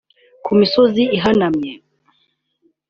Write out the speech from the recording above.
ku misozi ihanamye